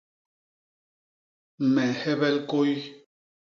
Me nhebel kôy.